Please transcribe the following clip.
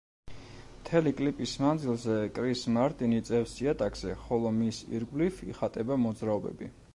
მთელი კლიპის მანძილზე კრის მარტინი წევს იატაკზე, ხოლო მის ირგვლივ იხატება მოძრაობები.